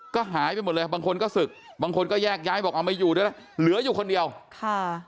ก็หายไปหมดเลยบางคนก็ศึกบางคนก็แยกย้ายบอกเอาไว้อยู่ด้วยแหละ